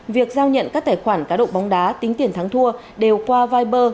việc giao nhận các tài khoản cá độ bóng đá tính tiền thắng thua đều qua viber